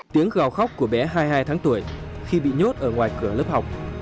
tiếng gào khóc của bé hai mươi hai tháng tuổi khi bị nhốt ở ngoài cửa lớp học